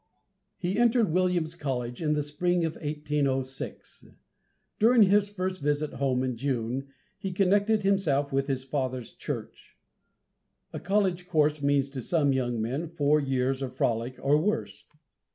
He entered Williams College in the spring of 1806. During his first visit home in June, he connected himself with his father's church. A college course means to some young men four years of frolic, or worse.